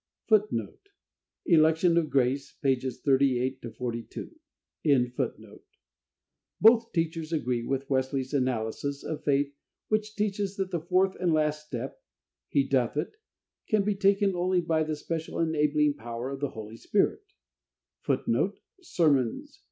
[Footnote: Election of Grace, pp. 38 42.] Both teachers agree with Wesley's analysis of faith which teaches that the fourth and last step, "He doth it," can be taken only by the special enabling power of the Holy Spirit, [Footnote: Sermons.